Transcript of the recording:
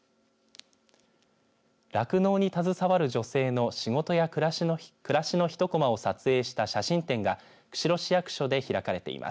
酪農に携わる女性の仕事や暮らしの１コマを撮影した写真展が釧路市役所で開かれています。